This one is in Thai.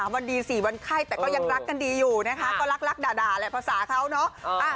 วันดี๔วันไข้แต่ก็ยังรักกันดีอยู่นะคะก็รักด่าแหละภาษาเขาเนาะ